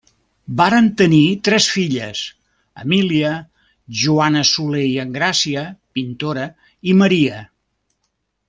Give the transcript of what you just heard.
Varen tenir tres filles Emília, Joana Soler i Engràcia pintora, i Maria.